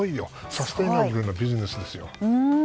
サステナブルなビジネスですよ。